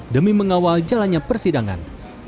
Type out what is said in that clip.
demi mengawal jalannya persidangan